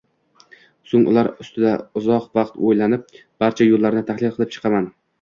So‘ng ular ustida uzoq vaqt o‘ylanib, barcha yo‘llarni tahlil qilib chiqaman.